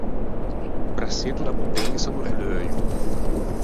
Brassetto da potensa do releuio.